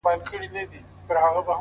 د زړگي ښار ته مي لړم د لېمو مه راوله _